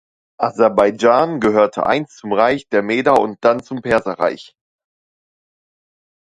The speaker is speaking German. Aserbaidschan gehörte einst zum Reich der Meder und dann zum Perserreich.